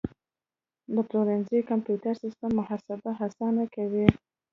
د پلورنځي کمپیوټري سیستم محاسبه اسانه کوي.